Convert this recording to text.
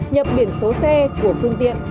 nhập biển số xe của phương tiện